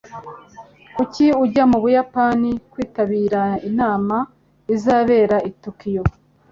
Kuki ujya mu Buyapani?" "Kwitabira inama izabera i Tokiyo."